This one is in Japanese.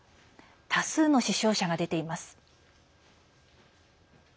多数の死傷者が出ています。